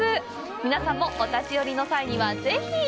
皆さんも、お立ち寄りの際にはぜひ！